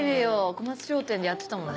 小松商店でやってたもんね。